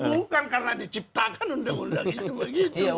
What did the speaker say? bukan karena diciptakan undang undang itu begitu